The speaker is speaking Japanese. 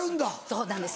そうなんです